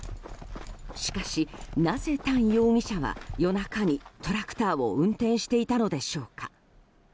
しかし、なぜタン容疑者は夜中にトラクターを運転していたのでしょうか。